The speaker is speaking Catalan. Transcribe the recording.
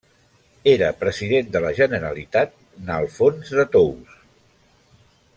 Era President de la Generalitat n'Alfons de Tous.